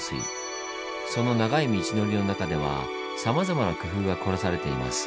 その長い道のりの中ではさまざまな工夫が凝らされています。